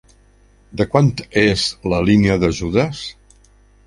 De quant és la línia d'ajudes?